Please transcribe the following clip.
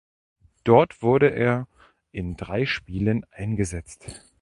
Dort wurde er in drei Spielen eingesetzt.